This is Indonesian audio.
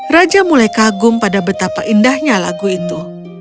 raja mulai kagum pada betapa indahnya lagu itu